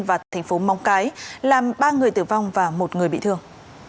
và thành phố mong cái làm ba người tử vong và một người bị thương